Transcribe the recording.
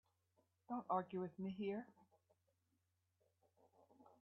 Don't argue with me here.